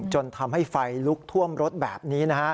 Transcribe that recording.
จนทำให้ไฟลุกท่วมรถแบบนี้นะฮะ